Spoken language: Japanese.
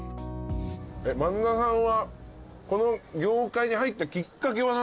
萬田さんはこの業界に入ったきっかけは何なんですか？